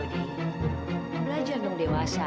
belajar nung dewasa